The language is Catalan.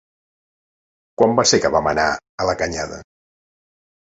Quan va ser que vam anar a la Canyada?